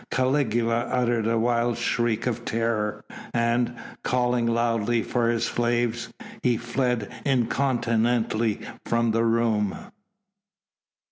Caligula uttered a wild shriek of terror, and, calling loudly for his slaves, he fled incontinently from the room.